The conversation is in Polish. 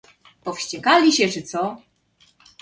"Powściekali się czy co?"